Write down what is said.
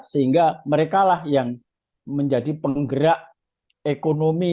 sehingga mereka lah yang menjadi penggerak ekonomi